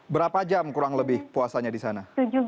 berapa jam kurang lebih puasanya di sana